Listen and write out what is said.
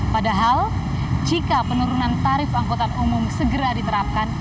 padahal jika penurunan tarif angkutan umum segera diterapkan